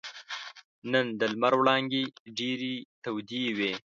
نن د لمر وړانګې ډېرې تودې وې.